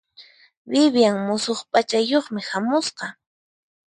Vivian musuq p'achayuqmi hamusqa.